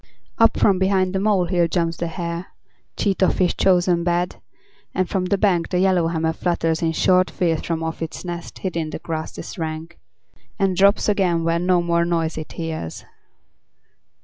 Up from behind the molehill jumps the hare, Cheat of his chosen bed, and from the bank The yellowhammer flutters in short fears From off its nest hid in the grasses rank, And drops again when no more noise it hears.